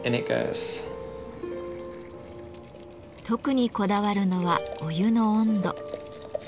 特にこだわるのはお湯の温度。